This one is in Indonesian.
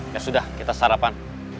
ya sudah kita sarapan